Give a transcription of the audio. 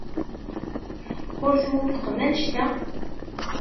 Ur twufqem anect-a?